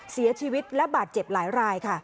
เสียชีวิตและบาดเจ็บหลายรายค่ะ